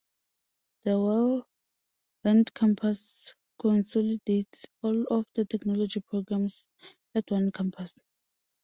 The Welland Campus consolidates all of the technology programs at one campus.